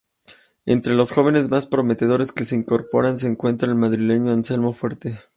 Entre los jóvenes más prometedores que se incorporan se encuentra el madrileño Anselmo Fuerte.